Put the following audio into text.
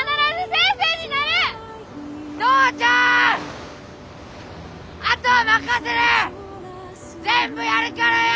全部やるからよ！